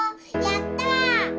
やった！